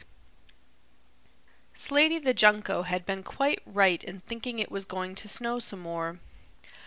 Slaty the Junco had been quite right in thinking it was going to snow some more.